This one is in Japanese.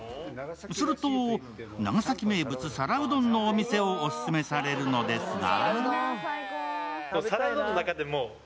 すると、長崎名物・皿うどんのお店をお勧めされるのですが。